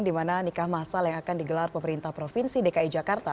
di mana nikah masal yang akan digelar pemerintah provinsi dki jakarta